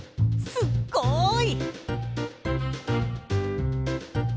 すっごい！